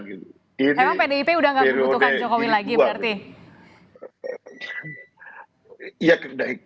emang pdip udah gak membutuhkan jokowi lagi berarti